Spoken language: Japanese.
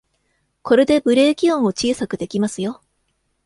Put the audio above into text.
これでブレーキ音を小さくできますよ